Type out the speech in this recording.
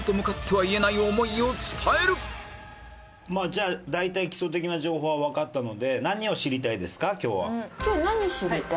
「じゃあ大体基礎的な情報はわかったので何を知りたいですか？今日は」。